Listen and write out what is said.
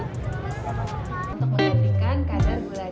untuk menjadikan kadar belajar